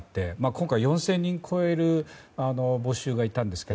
今回、４０００人を超える募集があったんですが。